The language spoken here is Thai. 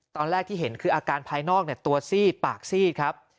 ตอนแรกที่เห็นคืออาการภายนอกตัวซีดปากซีดครับ